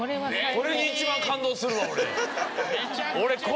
これに一番感動するわ俺。